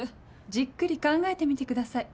じっくり考えてみてください。